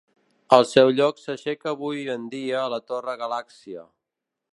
Al seu lloc s'aixeca avui en dia la Torre Galàxia.